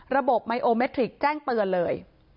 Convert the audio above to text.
ระบบไมโอเมตริกแจ้งเปลือเลย